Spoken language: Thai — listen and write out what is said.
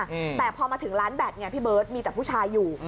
อืมแต่พอมาถึงร้านแบตไงพี่เบิร์ตมีแต่ผู้ชายอยู่